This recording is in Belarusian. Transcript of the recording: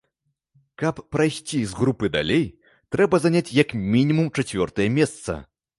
Каб прайсці з групы далей, трэба заняць як мінімум чацвёртае месца.